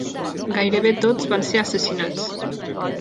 Gairebé tots van ser assassinats.